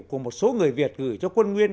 của một số người việt gửi cho quân nguyên